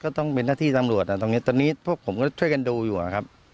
ก็ต้องเป็นนาฬิที่สำรวจแต่ตรงนี้พวกผมบันเป็นชนช่วยดูอยู่ค่ะครับ